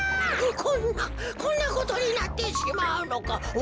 こんなこんなことになってしまうのか。